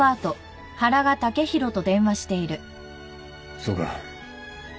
そうか。